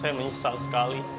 saya menyesal sekali